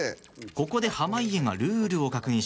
ここで濱家がルールを確認します。